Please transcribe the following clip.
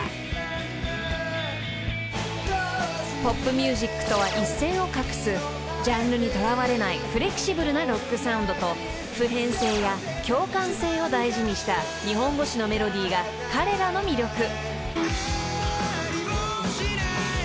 ［ポップミュージックとは一線を画すジャンルにとらわれないフレキシブルなロックサウンドと普遍性や共感性を大事にした日本語詞のメロディーが彼らの魅力］